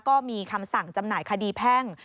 ก็มีคำสั่งจำหน่ายคดีแพ่ง